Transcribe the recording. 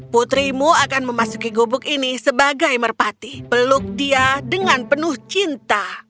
putrimu akan memasuki gubuk ini sebagai merpati peluk dia dengan penuh cinta